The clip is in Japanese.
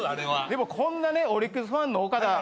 でもこんなオリックスファンの岡田。